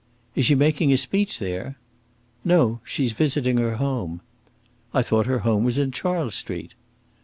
"Is she making a speech there?" "No; she's visiting her home." "I thought her home was in Charles Street?"